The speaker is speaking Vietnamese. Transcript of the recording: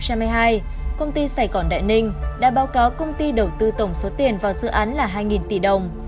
công ty sài gòn đại ninh đã báo cáo công ty đầu tư tổng số tiền vào dự án là hai tỷ đồng